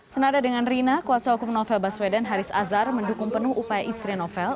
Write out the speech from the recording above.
senada dengan rina kuasa hukum novel baswedan haris azhar mendukung penuh upaya istri novel